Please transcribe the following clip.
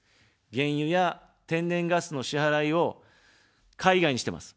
原油や天然ガスの支払いを海外にしてます。